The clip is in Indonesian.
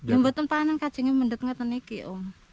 yang betul panen kacengnya mendekatkan ini om